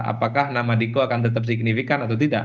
apakah nama diko akan tetap signifikan atau tidak